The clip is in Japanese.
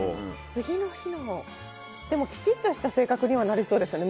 次の日のでもきちっとした性格にはなりそうですよね。